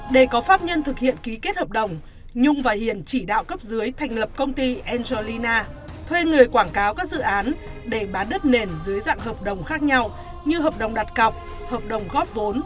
để có pháp nhân thực hiện ký kết hợp đồng nhung và hiền chỉ đạo cấp dưới thành lập công ty angelina thuê người quảng cáo các dự án để bán đất nền dưới dạng hợp đồng khác nhau như hợp đồng đặt cọc hợp đồng góp vốn